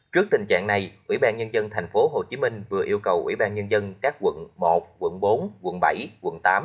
trước tình trạng này ủy ban nhân dân tp hcm vừa yêu cầu ủy ban nhân dân các quận một quận bốn quận bảy quận tám